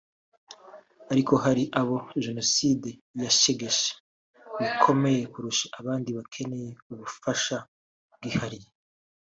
ariko hari abo Jenoside yashegeshe bikomeye kurusha abandi bakeneye ubufasha bwihariye”